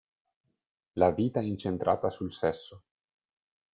La vita" incentrata sul sesso.